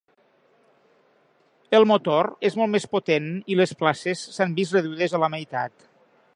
El motor és molt més potent i les places s'han vist reduïdes a la meitat.